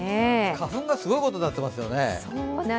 花粉がすごいことになっていますよね。